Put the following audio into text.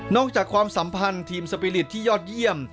จากความสัมพันธ์ทีมสปีริตที่ยอดเยี่ยม